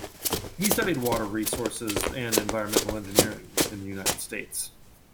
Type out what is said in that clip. He studied Water Resources and Environmental Engineering in the United States.